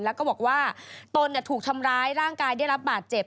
แล้วก็บอกว่าตนถูกทำร้ายร่างกายได้รับบาดเจ็บ